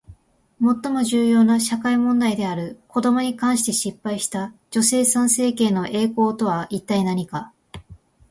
最も重要な社会問題である子どもに関して失敗した女性参政権の栄光とは一体何か？